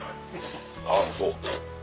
あぁそう。